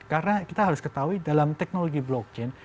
karena kita harus ketahui dalam teknologi blockchain